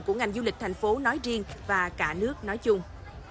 của ngành du lịch tp hcm nói riêng và cả nước nói chung